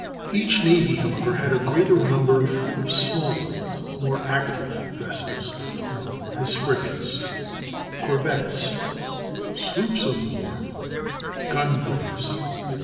Each navy, however, had a greater number of smaller, more active vessels, known as frigates, corvettes, sloops of war, gun brigs, etc.